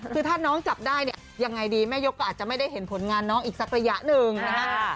คือถ้าน้องจับได้เนี่ยยังไงดีแม่ยกก็อาจจะไม่ได้เห็นผลงานน้องอีกสักระยะหนึ่งนะฮะ